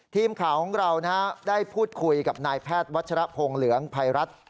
ทีมข่าวของเราได้พูดคุยกับนายแพทย์วัชรพงศ์เหลืองภัยรัฐ